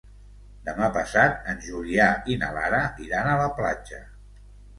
Demà passat en Julià i na Lara iran a la platja.